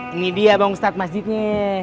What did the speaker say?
ini dia bangun ustadz masjidnya